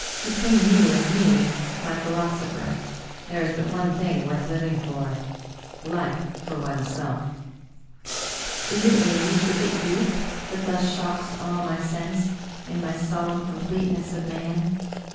Between you and me, my philosopher, there is but one thing worth living for — ^life for oneself." Is it age, is it youth, that thus shocks all my sense, in my solemn completeness of man?